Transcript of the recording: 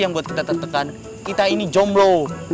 yang buat kita tertekan kita ini jomblo